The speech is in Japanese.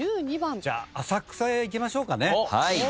じゃ浅草いきましょうかね。